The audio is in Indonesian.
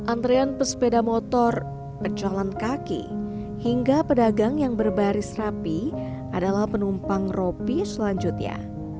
antrean pesepeda motor pejalan kaki hingga pedagang yang berbaris rapi adalah penumpang ropi selanjutnya